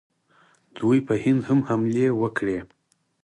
دوی په هند هم حملې وکړې